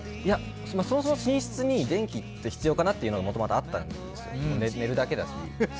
そもそも寝室に電気って必要かなっていうのはもともとあったんです。